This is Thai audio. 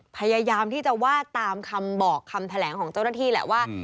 พยายามที่จะว่าตามคำบอกคำแถลงของเจ้าหน้าที่แหละว่า